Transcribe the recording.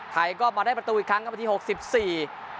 ไทยก็มาได้ประตูอีกครั้งครับมาที่๖๔